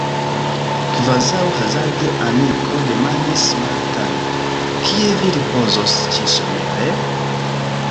Kvazaŭ hazarde Aniko demandis Martan: Kie vi ripozos ĉi-somere?